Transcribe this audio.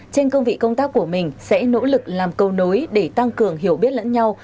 trên cương vị công tác của mình sẽ nỗ lực làm cầu nối để tăng cường hiểu biết lẫn nhau